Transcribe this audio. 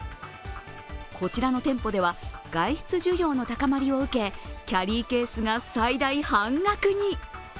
こちらの店舗では、外出需要の高まりを受け、キャリーケースが最大半額に。